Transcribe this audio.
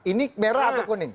ini merah atau kuning